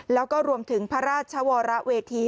แล้วก็รวมถึงพระราชวรเวที